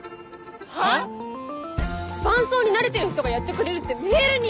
はぁ⁉伴走に慣れてる人がやってくれるってメールに！